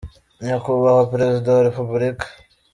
Nyakubahwa perezida wa repubulika.